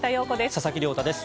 佐々木亮太です。